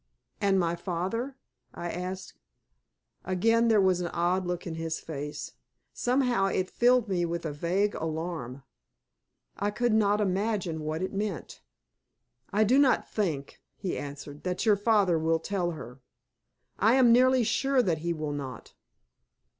"And my father?" I asked. Again there was an odd look in his face. Somehow it filled me with vague alarm; I could not imagine what it meant. "I do not think," he answered, "that your father will tell her; I am nearly sure that he will not.